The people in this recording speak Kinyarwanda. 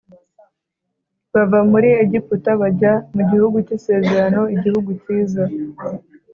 Bava muri egiputa bajya mu gihugu cy isezerano igihugu cyiza